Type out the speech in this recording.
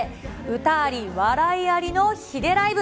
歌あり、笑いありのヒデライブ。